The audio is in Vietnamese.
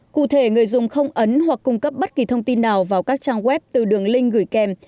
cụ thể người dùng không ấn hoặc cung cấp bất kỳ thông tin nào vào các trang web từ đường link gửi kèm